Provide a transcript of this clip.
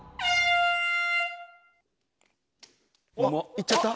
いっちゃった？